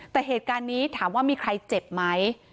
แต่เหตุการณ์นี้ถามว่ามีใครเจ็บไหม